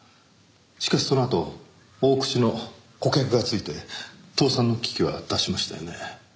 しかしそのあと大口の顧客がついて倒産の危機は脱しましたよね？